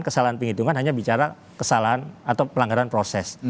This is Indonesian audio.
kesalahan penghitungan hanya bicara kesalahan atau pelanggaran proses